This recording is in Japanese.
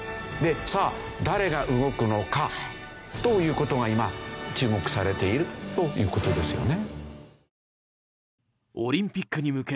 さあ誰が動くのか？という事が今注目されているという事ですよね。